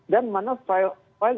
dan mana file